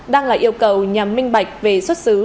đang là yêu cầu nhằm minh bạch về xuất xứ